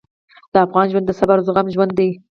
د افغان ژوند د صبر او زغم ژوند دی.